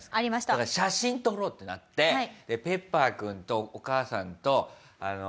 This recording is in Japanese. だから写真撮ろうってなってペッパーくんとお母さんと並んで激